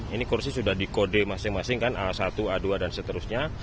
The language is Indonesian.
ini kursi sudah di kode masing masing kan a satu a dua dan seterusnya